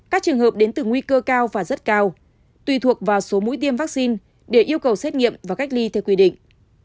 các trường hợp đến từ nguy cơ cao và rất cao tùy thuộc vào số mũi tiêm vaccine để yêu cầu xét nghiệm và cách ly theo quy định